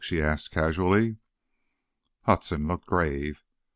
she asked, casually. Hudson looked grave.